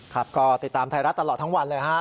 ครับก็ติดตามไทยรัฐตลอดทั้งวันเลยฮะ